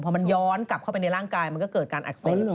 พอมันย้อนกลับเข้าไปในร่างกายมันก็เกิดการอักเสบ